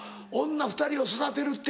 女２人を育てるって。